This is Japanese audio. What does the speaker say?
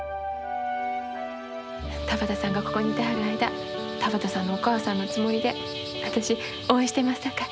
田畑さんがここにいてはる間田畑さんのお母さんのつもりで私応援してますさかい。